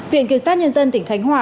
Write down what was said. viện kiểm soát nhân dân tỉnh khánh hòa